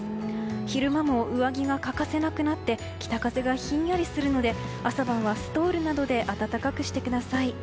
昼間も上着が欠かせなくなって北風がひんやりするので朝晩はストールなどで温かくしてください。